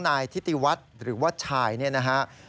นายทิติวัฒน์หรือว่าชายเนี่ยนะฮะ